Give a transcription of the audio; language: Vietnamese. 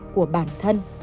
của bản thân